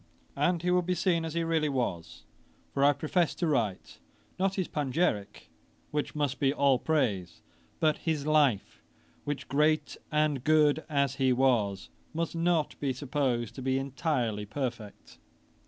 And he will be seen as he really was; for I profess to write, not his panegyrick, which must be all praise, but his Life; which, great and good as he was, must not be supposed to be entirely perfect.